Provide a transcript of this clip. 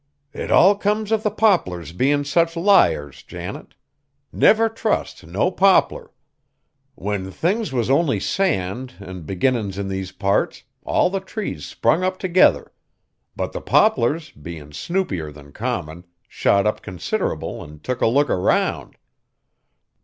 "It all come of the poplars bein' sich liars, Janet. Never trust no poplar! When things was only sand an' beginnin's in these parts, all the trees sprung up together. But the poplars, bein' snoopier than common, shot up considerable an' took a look around.